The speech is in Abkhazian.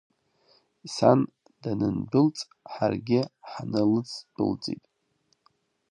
Сан данындәылҵ, ҳаргьы ҳналыцдәылҵит.